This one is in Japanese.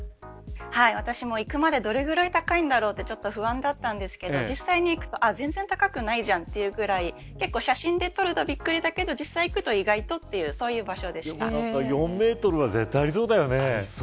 私も行くまで、どれぐらい高いんだろうと不安だったんですが実際に行くと全然高くないじゃんというぐらい写真で撮るとびっくりだけど実際に行くと意外と、という４メートルは絶対ありそうだよね。